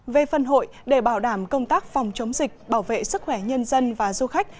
về phần hội để bảo đảm công tác phòng chống dịch bảo vệ sức khỏe nhân dân và du khách